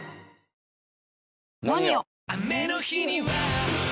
「ＮＯＮＩＯ」！